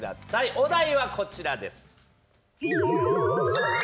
お題は、こちらです。